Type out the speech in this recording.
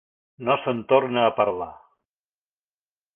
No se'n torna a parlar.